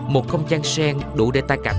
một không gian sen đủ để ta cặp